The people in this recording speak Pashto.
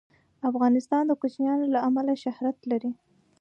افغانستان د کوچیان له امله شهرت لري.